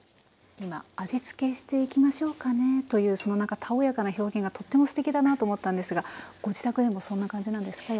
今「味付けしていきましょうかね」というそのなんかたおやかな表現がとってもすてきだなと思ったんですがご自宅でもそんな感じなんですか？